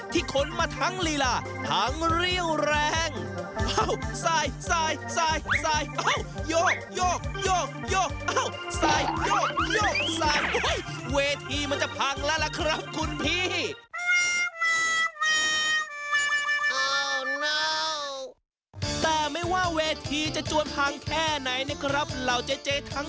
ที่ขนมาทั้งลีล่าทั้งเรี่ยวแรง